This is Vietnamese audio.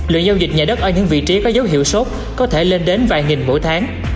lượng giao dịch nhà đất ở những vị trí có dấu hiệu sốt có thể lên đến vài nghìn mỗi tháng